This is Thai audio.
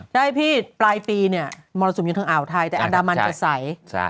ใช่พี่ปลายปีมรสุมยังถึงอ่าวไทยแต่อันดามันจะใส